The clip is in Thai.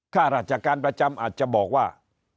ข้าราชการประจำอาจจะบอกว่า